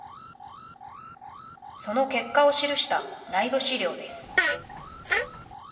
その結果を記した内部資料です。